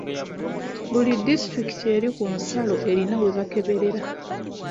Buli disitulikiti eri ku nsalo erina we bakeberera.